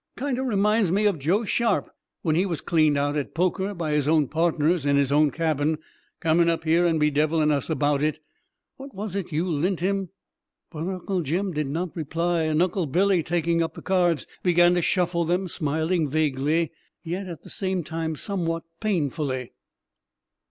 "Kinder reminds me of Jo Sharp, when he was cleaned out at poker by his own partners in his own cabin, comin' up here and bedevilin' us about it! What was it you lint him?" But Uncle Jim did not reply; and Uncle Billy, taking up the cards, began to shuffle them, smiling vaguely, yet at the same time somewhat painfully.